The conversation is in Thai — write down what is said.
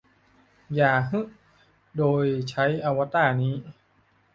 อย่า 'ฮึ' โดยใช้อวตารนี้สิ